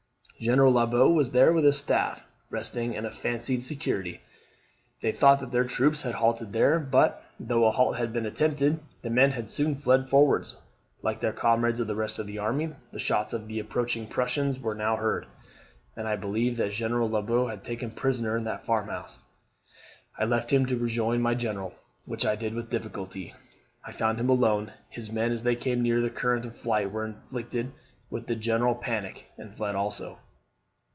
General Lobau was there with his staff, resting in fancied security. They thought that their troops had halted there; but, though a halt had been attempted, the men had soon fled forwards, like their comrades of the rest of the army. The shots of the approaching Prussians were now heard; and I believe that General Lobau was taken prisoner in that farmhouse. I left him to rejoin my general, which I did with difficulty. I found him alone. His men, as they came near the current of flight, were infected with the general panic, and fled also.